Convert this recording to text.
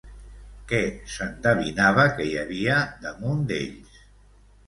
Què s'endevinava que hi havia damunt d'ells?